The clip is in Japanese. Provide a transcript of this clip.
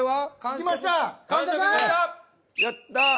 やった！